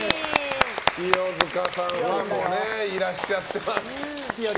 清塚さんファンもいらっしゃってます。